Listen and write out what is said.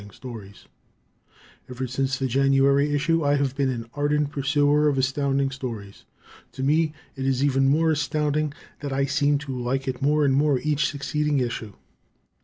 S. Ever since the January issue, I've been an ardent pursuer of Astounding Stories. To me it is even more astounding that I seem to like it more and more each succeeding issue.